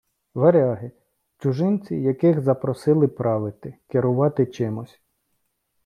Варяги — чужинці, яких запросили правити, керувати чимось